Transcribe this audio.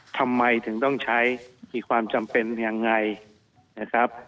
ทำไมถึงต้องใช้มีความจำเป็นยังไงนะครับ